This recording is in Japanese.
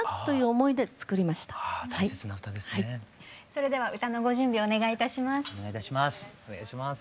それでは歌のご準備お願いいたします。